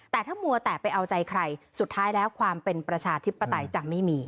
แต่ถ้ามัวแต่ไปเอาใจใครสุดท้ายแล้วความเป็นประชาธิปไตยจะไม่มี